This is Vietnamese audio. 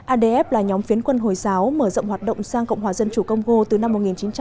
adf là nhóm phiến quân hồi giáo mở rộng hoạt động sang cộng hòa dân chủ công hồ từ năm một nghìn chín trăm chín mươi năm